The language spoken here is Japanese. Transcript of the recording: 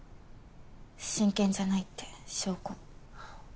真剣じゃないって証拠。